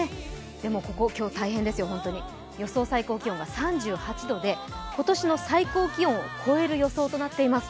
でも今日大変ですよ、予想最高気温が３８度で今年の最高気温を超える予想となっています。